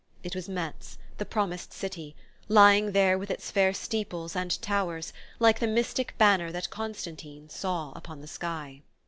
It was Metz, the Promised City, lying there with its fair steeples and towers, like the mystic banner that Constantine saw upon the sky...